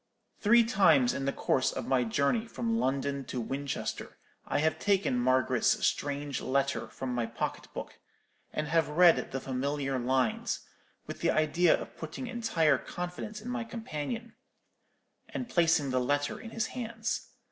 "Three times in the course of my journey from London to Winchester I have taken Margaret's strange letter from my pocket book, and have read the familiar lines, with the idea of putting entire confidence in my companion, and placing the letter in his hands.